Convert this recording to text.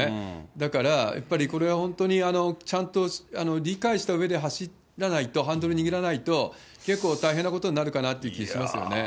だからやっぱり、これは本当にちゃんと理解したうえで走らないと、ハンドル握らないと、結構大変なことになるかなっていう気がしますよね。